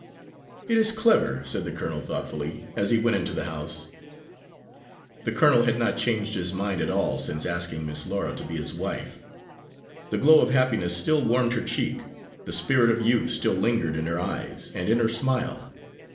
"It is clever," said the colonel thoughtfully, as he went into the house. The colonel had not changed his mind at all since asking Miss Laura to be his wife. The glow of happiness still warmed her cheek, the spirit of youth still lingered in her eyes and in her smile.